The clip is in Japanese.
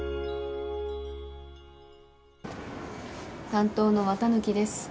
担当の綿貫です。